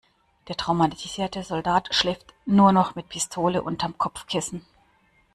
Der traumatisierte Soldat schläft nur noch mit Pistole unterm Kopfkissen.